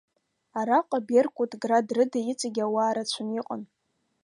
Араҟа Беркут, Град рыда иҵегь ауаа рацәаны иҟан.